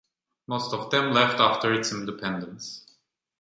Most of them left after its independence.